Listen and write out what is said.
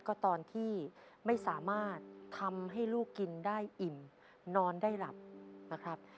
ก็ตอนที่ไม่สามารถทำให้ลูกกินได้อิ่มนอนได้หลับนะครับ